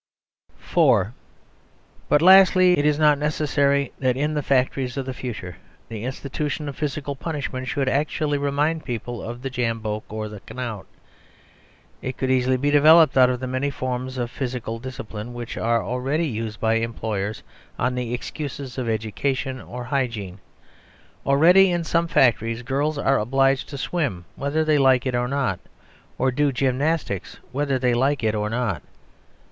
(4) But lastly, it is not necessary that in the factories of the future the institution of physical punishment should actually remind people of the jambok or the knout. It could easily be developed out of the many forms of physical discipline which are already used by employers on the excuses of education or hygiene. Already in some factories girls are obliged to swim whether they like it or not, or do gymnastics whether they like it or not.